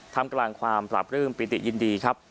ทำกลางความปราบปลื้มปิติยินดีครับ